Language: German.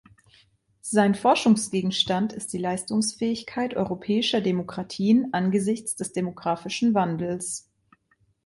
Sein Forschungsgegenstand ist die Leistungsfähigkeit europäischer Demokratien angesichts des demografischen Wandels.